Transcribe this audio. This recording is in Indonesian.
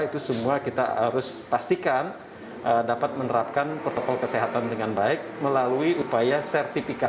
itu semua kita harus pastikan dapat menerapkan protokol kesehatan dengan baik melalui upaya sertifikasi